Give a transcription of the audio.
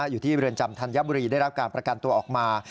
อยู่ที่เรือนจำธัญบุรีได้รับการประกันตัวออกมา